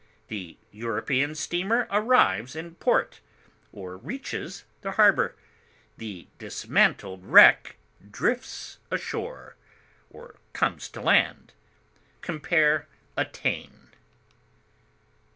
The European steamer arrives in port, or reaches the harbor; the dismantled wreck drifts ashore, or comes to land. Compare ATTAIN.